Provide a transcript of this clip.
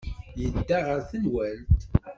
Yedda ɣer tenwalt.